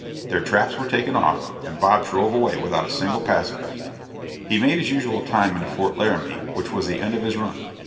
Their traps were taken off, and Bob drove away without a single passenger. He made his usual time into Fort Laramie, which was the end of his run.